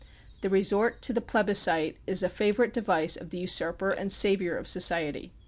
The resort to the plebiscite is the favorite device of the usurper and saviour of so ciety.